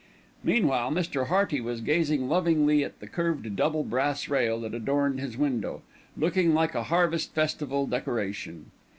Meanwhile Mr. Hearty was gazing lovingly at the curved double brass rail that adorned his window, looking like a harvest festival decoration.